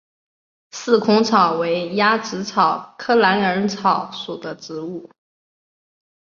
四孔草为鸭跖草科蓝耳草属的植物。